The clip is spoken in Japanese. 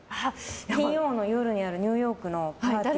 金曜の夜にあるニューヨークのパーティーって。